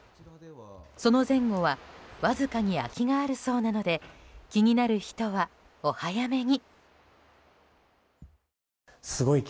その前後はわずかに空きがあるそうなので気になる人は、お早めに。